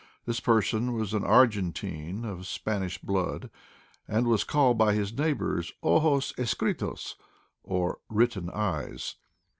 This person was an Argentine of Spanish blood, and was called by his neighbors ojos escru tos, or written eyes.